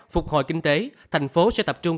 phục hồi kinh tế thành phố sẽ tập trung